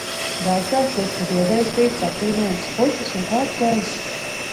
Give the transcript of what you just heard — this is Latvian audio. Dārzā šur tur iedēstītas apbrīnojamas puķes, un kāds gaiss!